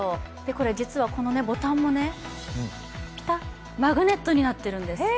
これ実は、ボタンもピタッマグネットになってるんです。